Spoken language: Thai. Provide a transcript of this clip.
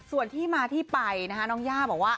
ส่วนที่มาที่ไปนะคะน้องย่าบอกว่า